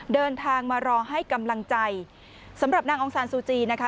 เดินทางมารอให้กำลังใจสำหรับนางองซานซูจีนะคะ